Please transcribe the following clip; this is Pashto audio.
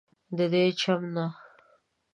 ددې چم نه